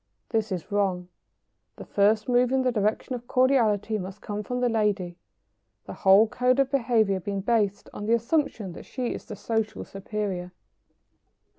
This is wrong. The first move in the direction of cordiality must come from the lady, the whole code of behaviour being based on the assumption that she is the social superior.